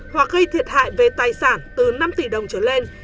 hoặc gây thiệt hại về tài sản từ năm tỷ đồng trở lên